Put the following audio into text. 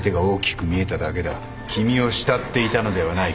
君を慕っていたのではない。